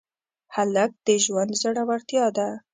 هلک د ژوند زړورتیا ده.